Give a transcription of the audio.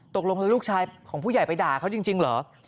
ตกลงแล้วลูกชายของผู้ใหญ่ไปด่าเขาจริงเหรอ